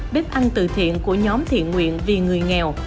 bếp ăn từ thiện của nhóm thiện nguyện vì người nghèo